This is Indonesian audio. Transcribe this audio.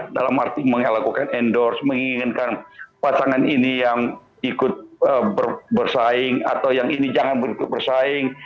dalam arti melakukan endorse menginginkan pasangan ini yang ikut bersaing atau yang ini jangan ikut bersaing